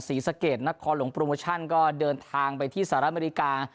ศรีสะเกดนครหลวงโปรโมชั่นก็เดินทางไปที่สหรัฐอเมริกา